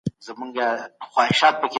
ښه ذهنیت کار نه زیانمنوي.